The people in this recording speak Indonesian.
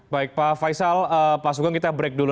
baik pak faisal pak sugeng kita break dulu